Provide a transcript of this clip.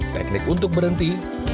teknik untuk berhenti